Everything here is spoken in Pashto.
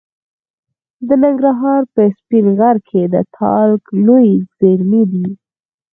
د ننګرهار په سپین غر کې د تالک لویې زیرمې دي.